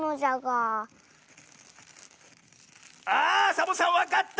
サボさんわかった！